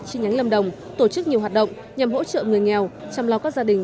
chi nhánh lâm đồng tổ chức nhiều hoạt động nhằm hỗ trợ người nghèo chăm lau các gia đình